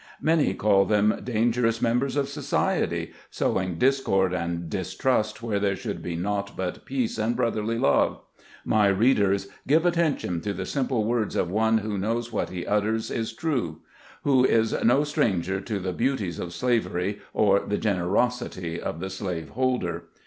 Many call them dangerous members of society, sowing discord and distrust where there should be nought but peace and broth erly love. My Readers ! give attention to the simple words of one who knows what he utters is truth ; who is no stranger to the beauties of slavery or the generosity of the slaveholder.